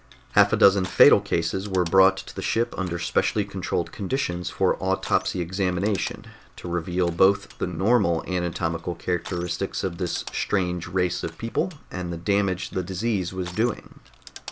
Half a dozen fatal cases were brought to the ship under specially controlled conditions for autopsy examination, to reveal both the normal anatomical characteristics of this strange race of people and the damage the disease was doing.